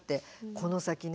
この先ね